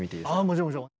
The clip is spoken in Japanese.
もちろんもちろん。